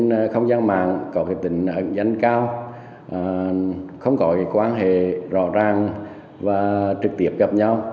tội phạm trên không gian mạng có tình ảnh danh cao không có quan hệ rõ ràng và trực tiếp gặp nhau